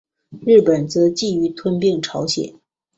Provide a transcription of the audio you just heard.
日本则觊觎吞并朝鲜。